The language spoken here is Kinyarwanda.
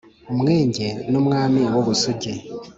Umwenge n’ umwami w’u Busigi